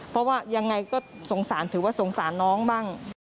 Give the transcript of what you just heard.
เพราะว่ายังไงก็สงสารถือว่าสงสารน้องบ้าง